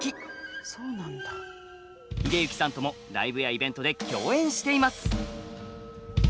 秀幸さんともライブやイベントで共演しています。